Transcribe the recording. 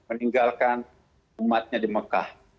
meninggalkan umatnya di mekah